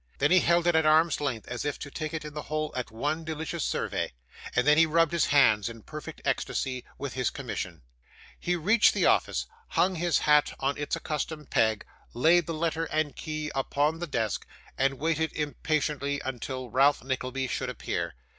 Then he held it at arm's length as if to take in the whole at one delicious survey, and then he rubbed his hands in a perfect ecstasy with his commission. He reached the office, hung his hat on its accustomed peg, laid the letter and key upon the desk, and waited impatiently until Ralph Nickleby should appear.